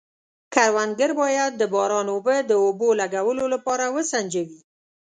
کروندګر باید د باران اوبه د اوبو لګولو لپاره وسنجوي.